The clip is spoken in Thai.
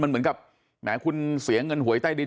มันเหมือนกับแหมคุณเสียเงินหวยใต้ดิน